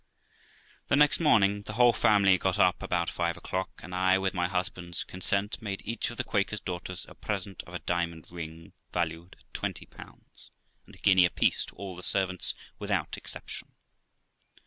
The next morning, the whole family got up about five o'clock, and I, with my husband's consent, made each of the Quaker's daughters a present of a diamond ring, valued at 20, and a guinea apiece to all the servants, without exception.